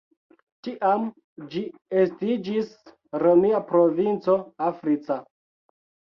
Tiam ĝi estiĝis romia provinco "Africa".